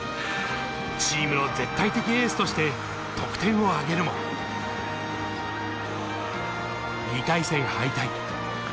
チームの絶対的エースとして得点を挙げるも、２回戦敗退。